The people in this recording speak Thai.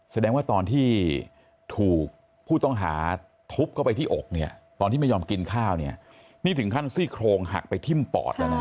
แสดงว่าตอนที่ถูกผู้ต้องหาทุบเข้าไปที่อกเนี่ยตอนที่ไม่ยอมกินข้าวเนี่ยนี่ถึงขั้นซี่โครงหักไปทิ้มปอดนะฮะ